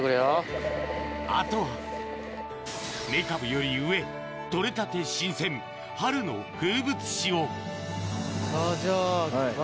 あとはメカブより上取れたて新鮮春の風物詩をさぁじゃあ。